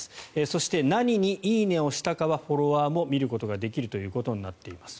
そして何に「いいね」をしたかはフォロワーも見ることができるとなっています。